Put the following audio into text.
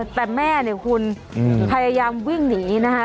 แต่แม่เนี่ยคุณพยายามวิ่งหนีนะคะ